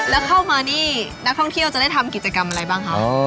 แล้วเข้ามานี่นักท่องเที่ยวจะได้ทำกิจกรรมอะไรบ้างคะ